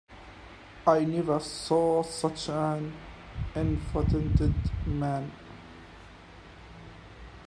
I never saw such an infatuated man.